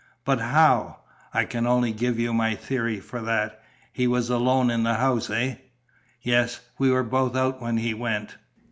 "But how?" "I can only give you my theory for that. He was alone in the house, eh?" "Yes. We were both out when he went."